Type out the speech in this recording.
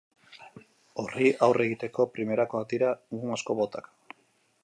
Horri aurre egiteko primerakoak dira gomazko botak.